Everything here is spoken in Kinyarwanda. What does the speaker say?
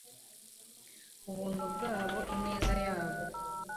ubuntu bwabo, ineza yabo